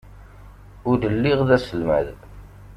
Ul lliɣ d aselmad.